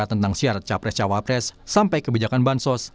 tentang syarat capres cawapres sampai kebijakan bansos